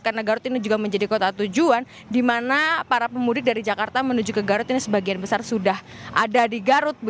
karena garut ini juga menjadi kota tujuan di mana para pemudik dari jakarta menuju ke garut ini sebagian besar sudah ada di garut